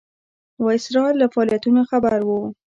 ویسرا له فعالیتونو خبر وو.